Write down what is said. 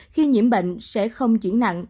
khi nhiễm bệnh sẽ không chuyển nặng